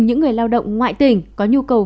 những người lao động ngoại tỉnh có nhu cầu